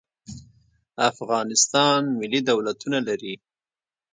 افغانستان ملي دولتونه لري.